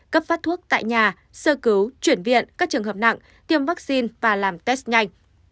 cấp phát thuốc tại nhà sơ cứu chuyển viện các trường hợp nặng tiêm vaccine và làm test nhanh